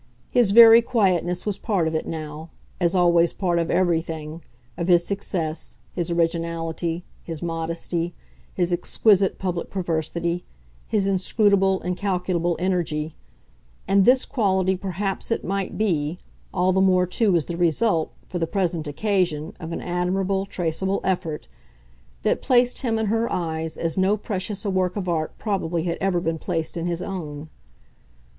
His very quietness was part of it now, as always part of everything, of his success, his originality, his modesty, his exquisite public perversity, his inscrutable, incalculable energy; and this quality perhaps it might be all the more too as the result, for the present occasion, of an admirable, traceable effort that placed him in her eyes as no precious a work of art probably had ever been placed in his own.